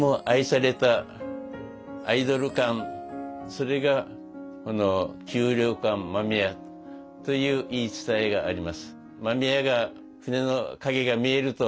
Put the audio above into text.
それがこの給糧艦間宮という言い伝えがあります。